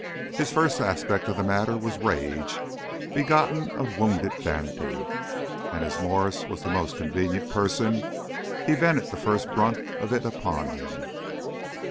His first aspect of the matter was rage begotten of wounded vanity, and as Mwres was the most convenient person, he vented the first brunt of it upon him.